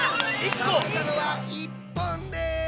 たおれたのは１ぽんです！